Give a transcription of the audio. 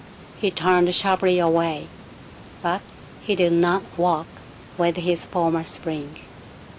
He turned sharply away, but he did not walk with his former spring.